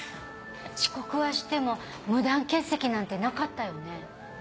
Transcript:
遅刻はしても無断欠席なんてなかったよね。